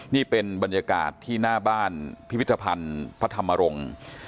นี่เป็นบรรยากาศที่หน้าบ้านพิพิธภัณฑ์พระธรรมรงค์